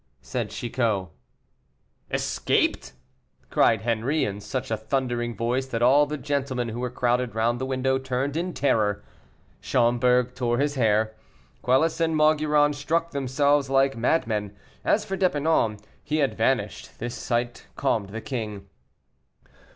said Chicot. "Escaped!" cried Henri, in such a thundering voice that all the gentlemen who were crowded round the window turned in terror. Schomberg tore his hair, Quelus and Maugiron struck themselves like madmen; as for D'Epernon, he had vanished. This sight calmed the king.